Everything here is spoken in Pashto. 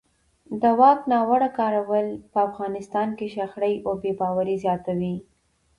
د واک ناوړه کارول په افغانستان کې شخړې او بې باورۍ زیاتوي